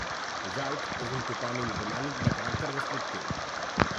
Pujalt és un topònim romànic de caràcter descriptiu.